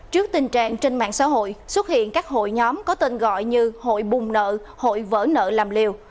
trước tình trạng trên mạng xã hội xuất hiện các hội nhóm có tên gọi như hội bùng nợ hội vỡ nợ làm liều